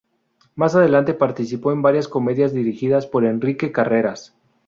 Más adelante participó en varias comedias dirigidas por Enrique Carreras.